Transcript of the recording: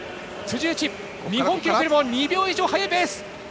日本記録よりも２秒以上速いペース！